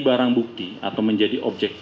barang bukti atau menjadi objek